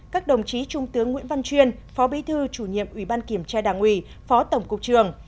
các đồng chí trung tướng nguyễn văn chuyên phó bí thư chủ nhiệm ủy ban kiểm tra đảng ủy phó tổng cục trường